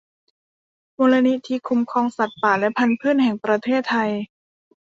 มูลนิธิคุ้มครองสัตว์ป่าและพรรณพืชแห่งประเทศไทย